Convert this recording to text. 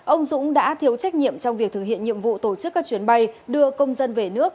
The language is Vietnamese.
ông dũng đã thiếu trách nhiệm trong việc thực hiện nhiệm vụ tổ chức các chuyến bay đưa công dân về nước